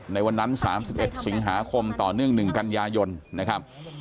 ในวันนั้นสามสิบเอ็ดสิงหาคมต่อเนื่องหนึ่งกันยายนนะครับ